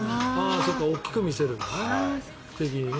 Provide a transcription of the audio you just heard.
そうか大きく見せるんだね、敵にね。